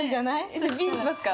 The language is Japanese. じゃあＢにしますか？